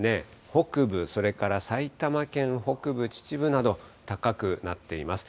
北部、それから埼玉県北部、秩父など高くなっています。